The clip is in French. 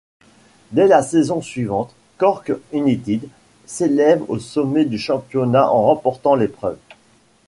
Dès la saison suivante Cork United s'élève au sommet du championnat en remportant l'épreuve.